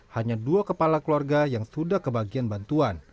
hanya dua kepala keluarga yang sudah kebagian bantuan